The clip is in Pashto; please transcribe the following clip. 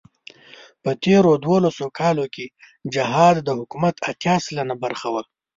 په تېرو دولسو کالو کې جهاد د حکومت اتيا سلنه برخه وه.